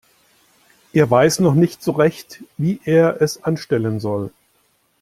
Er weiß noch nicht so recht, wie er es anstellen soll.